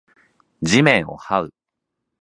地面を這う